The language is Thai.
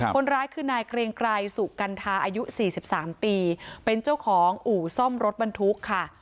คนร้ายคือนายเกรงไกรสุกัณฑาอายุ๔๓ปีเป็นเจ้าของอู่ซ่อมรถบรรทุกค่ะ